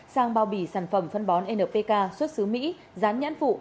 sang bao bì sản phẩm phân bón npk xuất xứ mỹ dán nhãn phụ